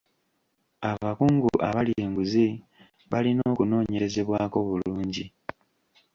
Abakungu abalya enguzi balina okunoonyerezebwako bulungi.